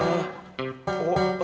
emangnya kenapa sih